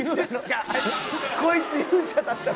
こいつ勇者だったのか。